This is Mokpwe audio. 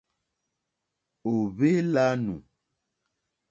Ò hwé !lánù.